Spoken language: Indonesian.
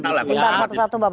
sebentar satu satu bapak